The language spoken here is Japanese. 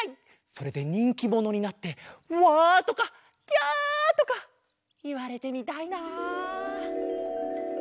それでにんきものになってワとかキャとかいわれてみたいな。